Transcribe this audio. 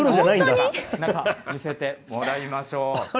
中を見せてもらいましょう。